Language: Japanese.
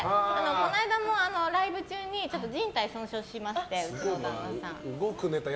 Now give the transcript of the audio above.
この間もライブ中に靭帯損傷しましてうちの旦那さん。